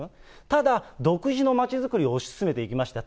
ただ、独自のまちづくりを推し進めていきました。